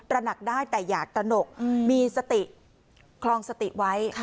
ระหนักได้แต่อยากตระหนกมีสติคลองสติไว้